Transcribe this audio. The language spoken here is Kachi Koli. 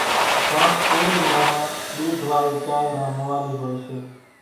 ڪانڪ ڪورِي ماڻۿان ۮوڌ وارِي چائيَ نان موالِي هوئيَ سي۔